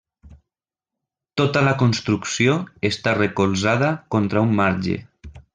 Tota la construcció està recolzada contra un marge.